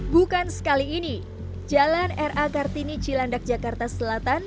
bukan sekali ini jalan r a kartini cilandak jakarta selatan